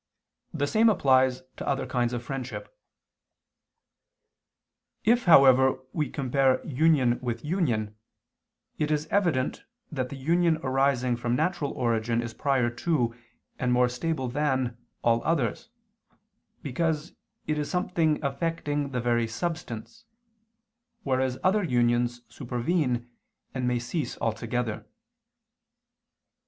The same applies to other kinds of friendship. If however we compare union with union, it is evident that the union arising from natural origin is prior to, and more stable than, all others, because it is something affecting the very substance, whereas other unions supervene and may cease altogether.